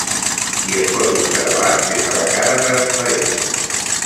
I es pot observar des de la cara transparent.